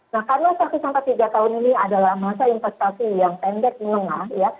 nah karena satu sampai tiga tahun ini adalah masa investasi yang pendek menengah ya